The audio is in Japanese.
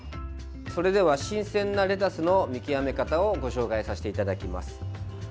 それでは新鮮なレタスの見極め方をご紹介させていただきます。